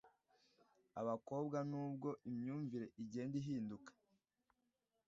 abakobwa n’ubwo imyumvire igenda ihinduka.